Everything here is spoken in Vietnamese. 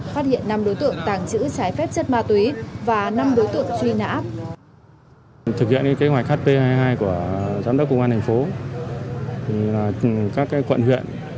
phát hiện năm đối tượng tàng trữ trái phép chất ma túy và năm đối tượng truy nã